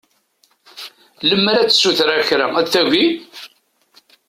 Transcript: Lemmer ad s-ssutreɣ kra ad tagi?